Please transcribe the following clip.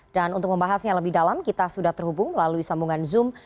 dan untuk membahasnya lebih dalam kita sudah terhubung lalui sambungan zoom